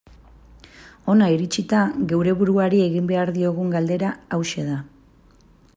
Hona iritsita, geure buruari egin behar diogun galdera hauxe da.